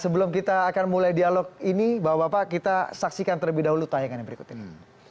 sebelum kita akan mulai dialog ini bapak bapak kita saksikan terlebih dahulu tayangannya berikut ini